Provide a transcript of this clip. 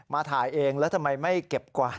ถ่ายเองแล้วทำไมไม่เก็บกว่า